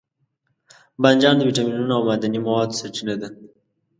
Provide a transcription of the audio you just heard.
بانجان د ویټامینونو او معدني موادو سرچینه ده.